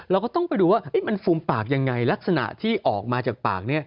เราก็ต้องไปดูว่ามันฟูมปากยังไงลักษณะที่ออกมาจากปาก